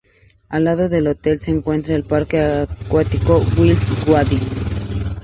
Al lado del hotel se encuentra el parque acuático Wild Wadi.